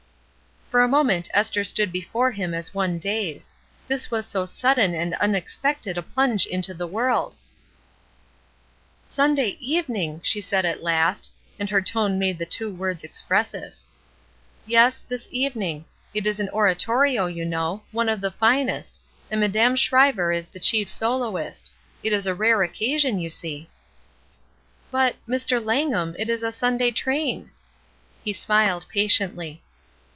For a moment Esther stood before him as 230 ESTER RIED'S NAMESAKE one dazed; this was so sudden and unexpected a plunge into the world ! "Sunday evening !'* she said at last; and her tone made the two words expressive. ''Yes, this evening. It is an Oratorio, you know. One of the finest; and Madame Schryver is the chief soloist. It is a rare occa sion, you see." *'But — Mr. Langham, it is a Sunday train!" He smiled patiently.